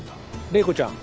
麗子ちゃん。